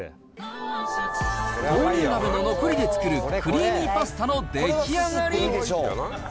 豆乳鍋の残りで作る、クリーミーパスタの出来上がり。